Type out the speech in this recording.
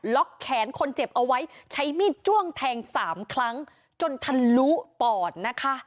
แขนคนเจ็บเอาไว้ใช้มีดจ้วงแทงสามครั้งจนทะลุปอดนะคะ